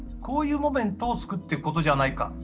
こういうモーメントを作っていくことじゃないか。